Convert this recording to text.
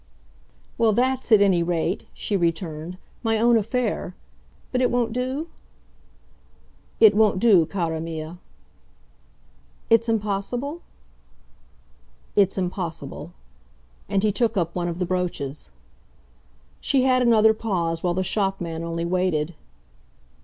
"Well, that's, at any rate," she returned, "my own affair. But it won't do?" "It won't do, cara mia." "It's impossible?" "It's impossible." And he took up one of the brooches. She had another pause, while the shopman only waited.